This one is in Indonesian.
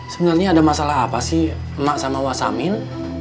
sebenarnya ada masalah apa sih emak sama wa samin